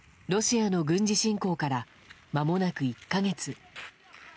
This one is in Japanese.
ロシアの軍事侵攻からまもなく１か月。